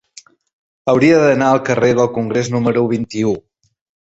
Hauria d'anar al carrer del Congrés número vint-i-u.